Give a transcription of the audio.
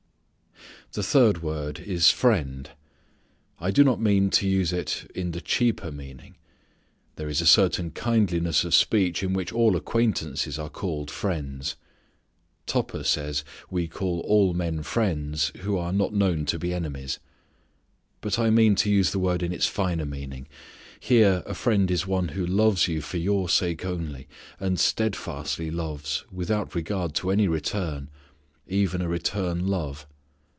The third word is friend. I do not mean to use it in the cheaper meaning. There is a certain kindliness of speech in which all acquaintances are called friends. Tupper says, we call all men friends who are not known to be enemies. But I mean to use the word in its finer meaning. Here, a friend is one who loves you for your sake only and steadfastly loves without regard to any return, even a return love.